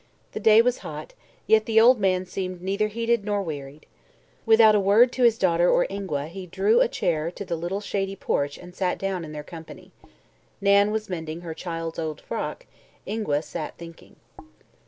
The day was hot, yet the old man seemed neither heated nor wearied. Without a word to his daughter or Ingua he drew a chair to the little shady porch and sat down in their company. Nan was mending her child's old frock; Ingua sat thinking.